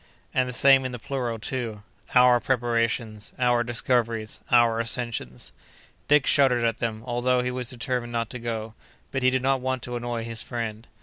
And the same in the plural, too: "'Our' preparations; 'our' discoveries; 'our' ascensions." Dick shuddered at them, although he was determined not to go; but he did not want to annoy his friend.